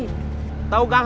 gak ada kakaknya